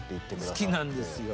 好きなんですよ。